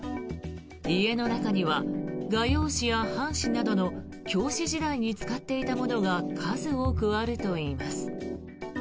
家の中には画用紙や半紙などの教師時代に使っていたものが数多くあるといいます。